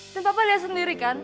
dan papa lihat sendiri kan